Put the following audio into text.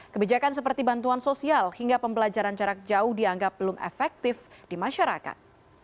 kebijakan seperti bantuan sosial hingga pembelajaran jarak jauh dianggap belum efektif di masyarakat